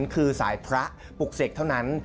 คือสายพระปลุกเสกเท่านั้น